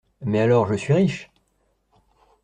Mais alors, je suis riche !